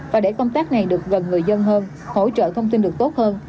và để công tác này được gần người dân hơn hỗ trợ thông tin được tốt hơn